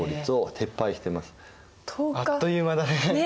あっという間だね！